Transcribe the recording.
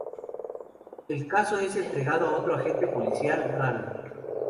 El caso es entregado a otro agente policial, Rami.